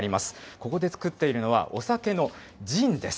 ここで造っているのは、お酒のジンです。